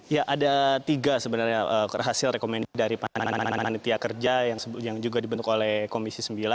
ya ada tiga sebenarnya hasil rekomendasi dari panitia kerja yang juga dibentuk oleh komisi sembilan